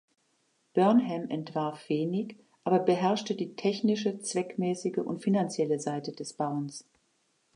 Burnham entwarf wenig, aber beherrschte die technische, zweckmäßige und finanzielle Seite des Bauens.